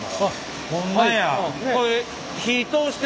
ホンマや。